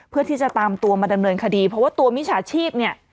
เพื่อที่จะตามตัวมาดำเนินคดีเพราะว่าตัวมิจฉาชีพเนี่ย